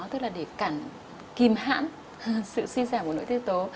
tức là để cản kìm hãm sự suy giảm của nỗi tiêu tố